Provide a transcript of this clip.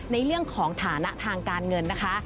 ในเรื่องของฐานะทางการเงินนะคะ